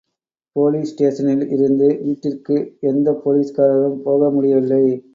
Police ஸ்டேஷனில் இருந்து வீட்டிற்கு எந்தப் போலீஸ்காரரும் போக முடியவில்லை.